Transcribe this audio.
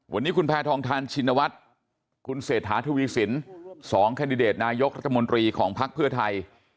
วันนี้คุณแพทรทางทานชิเหนวัดคุณเศรษฐาธุวิศินศ์สองแคนดิเดตนายกรรตมตรีของพักเพื่อไทย